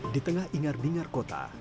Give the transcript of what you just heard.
di tengah ingar bingar kota